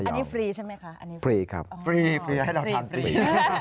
อันนี้ฟรีใช่ไหมคะอันนี้ฟรีครับฟรีฟรีให้เราทานฟรี